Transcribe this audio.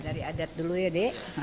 dari adat dulu ya dek